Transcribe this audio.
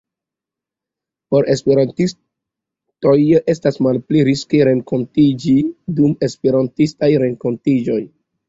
Por Esperantistoj, estas malpli riske renkontiĝi dum Esperantistaj renkontiĝoj.